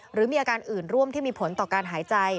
หรือมีอาการอื่นร่วมที่มีผลต่อการหายใจ